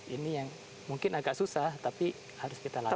ini yang mungkin agak susah tapi harus kita lakukan